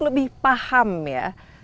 lebih paham ya